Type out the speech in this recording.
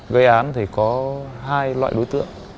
gây án thì có hai loại đối tượng